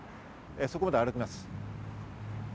そこまで歩きます。